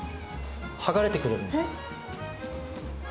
剥がれてくるんです。